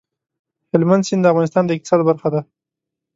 هلمند سیند د افغانستان د اقتصاد برخه ده.